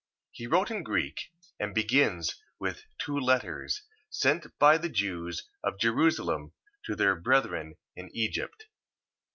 He wrote in Greek, and begins with two letters, sent by the Jews of Jerusalem to their brethren in Egypt.